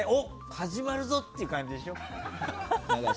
始まるぞって感じでしょ？